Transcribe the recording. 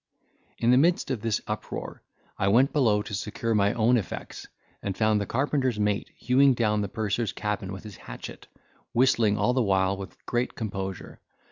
In the midst of this uproar, I went below to secure my own effects, and found the carpenter's mate hewing down the purser's cabin with his hatchet, whistling all the while with great composure.